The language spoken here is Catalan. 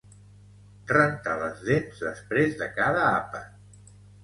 Rentar les dents després de cada àpat